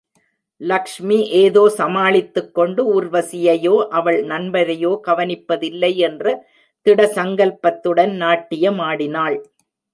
லக்ஷ்மி ஏதோ சமாளித்துக்கொண்டு ஊர்வசியையோ அவள் நண்பரையோ கவனிப்பதில்லை என்ற திடசங்கல்பத்துடன் நாட்டியமாடினாள்.